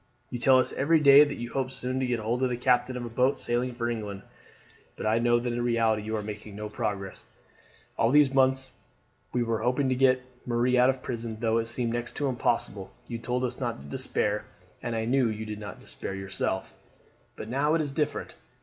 You tell us every day that you hope soon to get hold of the captain of a boat sailing for England; but I know that in reality you are making no progress. All those months when we were hoping to get Marie out of prison though it seemed next to impossible you told us not to despair, and I knew you did not despair yourself; but now it is different.